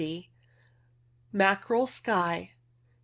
Mackerel sky.